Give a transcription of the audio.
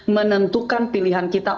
menentukan pilihan kita